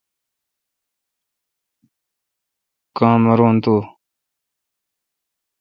کاں مر تو۔